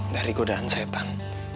dari godaan setan